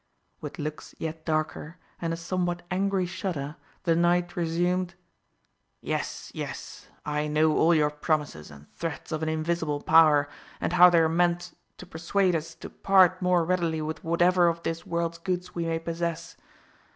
With looks yet darker, and a somewhat angry shudder, the knight resumed: "Yes, yes; I know all your promises and threats of an invisible Power, and how they are meant persuade us to part more readily with whatever of this world's goods we may possess.